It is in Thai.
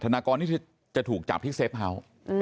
นากรนี่จะถูกจับที่เซฟเฮาส์